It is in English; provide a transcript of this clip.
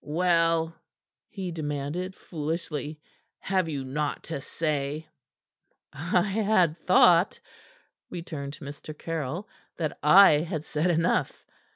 "Well?" he demanded foolishly, "have you naught to say?" "I had thought," returned Mr. Caryll, "that I had said enough."